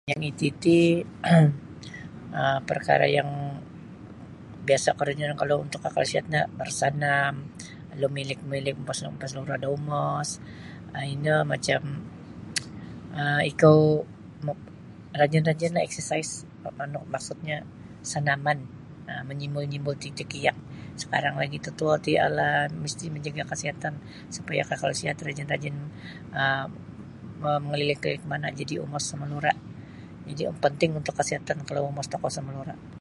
Yang iti-iti um parkara' yang biasa' korojonon kalau untuk kakal sihat no barsanam lumilik-milik mapa mapasalura' da umos um ino macam um ikou mo rajin-rajinlah eksisais maksudnyo sanaman um manyimbul-nyimbul titikiak sakarang lagi totuo ti ala misti' manjaga' kasiatan supaya kakal sihat rajin -rajin um mangalilik-lilik mana' jadi' umos sumalura' jadi' yang panting untuk kasiatan kalau umos tokou sumalura'.